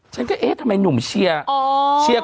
ฉันก็เอ๊ะทำไมหนุ่มเชียร์